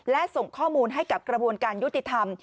และส่งข้อมูลให้กับกระบวนการยุติธรรม